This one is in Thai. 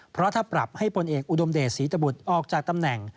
เพราะถ้าปรับให้พลเอกอุดมเดชศรีตบุตรออกจากตำแหน่ง